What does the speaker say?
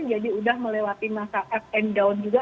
jadi udah melewati masa up and down juga